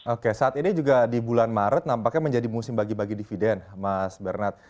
oke saat ini juga di bulan maret nampaknya menjadi musim bagi bagi dividen mas bernard